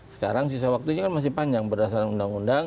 sekarang sisa waktunya kan masih panjang berdasarkan undang undang